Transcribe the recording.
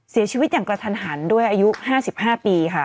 เสียชีวิตอย่างกระทันหันด้วยอายุ๕๕ปีค่ะ